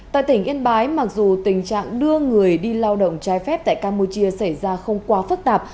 tại tỉnh yên bái mặc dù tình trạng đưa người đi lao động trái phép tại campuchia xảy ra không quá phức tạp